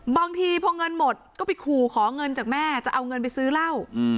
บางทีพอเงินหมดก็ไปขู่ขอเงินจากแม่จะเอาเงินไปซื้อเหล้า